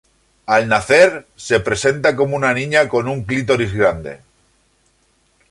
Al nacer, se presenta como una niña con un clítoris grande.